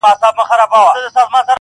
زما پر سونډو یو غزل عاشقانه یې,